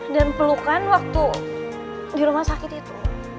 dan pelukan waktu di rumah sakit itu